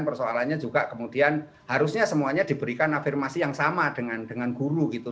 persoalannya juga kemudian harusnya semuanya diberikan afirmasi yang sama dengan guru gitu